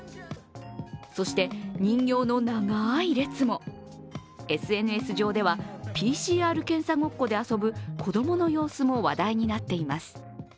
そして、人形の長い列もＳＮＳでは、ＰＣＲ検査ごっこで遊ぶ子供の様子も話題になっています。